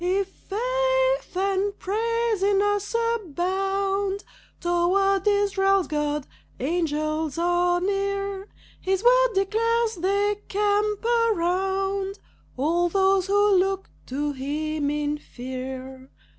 If faith and praise in us abound Toward Israel's God, angels are near; His word declares they camp around All those who look to him in fear.